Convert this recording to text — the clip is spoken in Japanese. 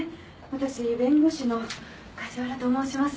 私弁護士の梶原と申します。